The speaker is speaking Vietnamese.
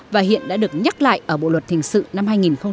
và hiện đã được nhắc lại ở bộ luật hình sự năm hai nghìn một mươi năm